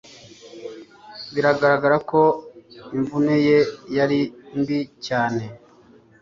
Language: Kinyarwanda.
Bigaragara ko imvune ye yari mbi cyane